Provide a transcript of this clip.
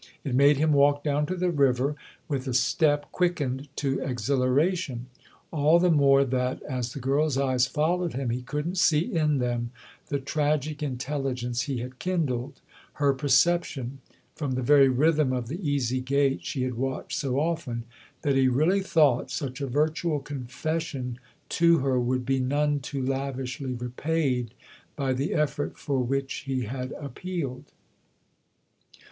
It made him walk down to the river with a step quickened to exhilaration ; all the more that as the girl's eyes followed him he couldn't see in them the tragic intelligence he had kindled, her perception from the very rhythm of the easy gait she had watched so often that he really thought such a virtual confession to her would be none too lavishly repaid by the effort for which he had appealed.